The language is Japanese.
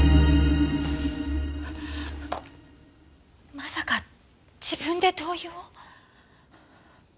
まさか自分で灯油を？